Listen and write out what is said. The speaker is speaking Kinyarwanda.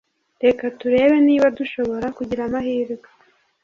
Reka turebe niba dushobora kugira amahirwe